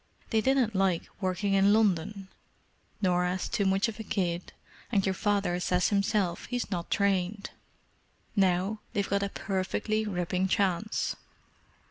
They didn't like working in London—Norah's too much of a kid, and your father says himself he's not trained. Now they've got a perfectly ripping chance!"